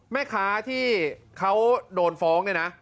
แม่ค้าที่เขาโดนฟ้อง